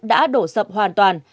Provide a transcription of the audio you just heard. đã đổ sập hoàn toàn